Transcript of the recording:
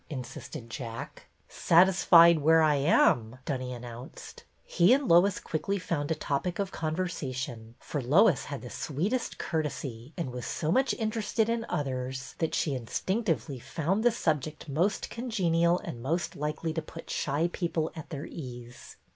insisted Jack. Satisfied where I am," Dunny announced. He and Lois quickly found a topic of conversa tion, for Lois had the sweetest courtesy and was so much interested in others that she instinctively found the subject most congenial and most likely to put shy people at their ease.